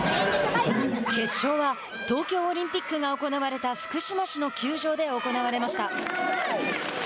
決勝は東京オリンピックが行われた福島市の球場で行われました。